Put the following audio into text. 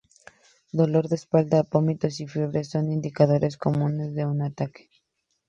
Dolor de espalda, vómitos y fiebre son indicadores comunes de un ataque.